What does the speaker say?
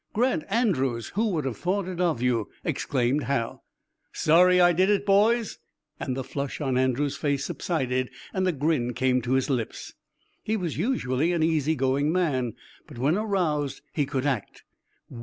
"Grant Andrews! Who would have thought it of you!" exclaimed Hal. "Sorry I did it, boys?" and the flush on Andrews' face subsided and a grin came to his lips. He was usually an easy going man, but when aroused he could act.